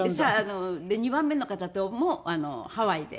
２番目の方ともハワイで。